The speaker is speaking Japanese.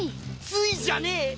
「つい」じゃねぇ！